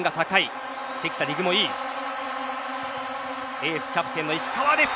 エース、キャプテンの石川です。